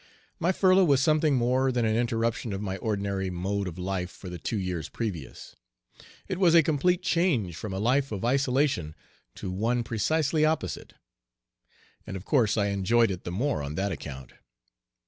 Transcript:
My furlough was something more than an interruption of my ordinary mode of life for the two years previous. It was a complete change from a life of isolation to one precisely opposite. And of course I enjoyed it the more on that account.